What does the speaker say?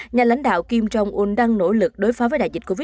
nhà lãnh đạo kim jong un đang nỗ lực đối phó với đại dịch covid